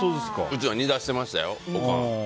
うちは煮出していましたよ。